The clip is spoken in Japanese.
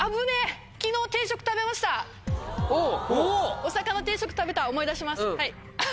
お魚定食食べた思い出しますはいあっ。